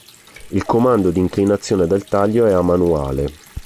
Il comando di inclinazione del taglio è a manuale.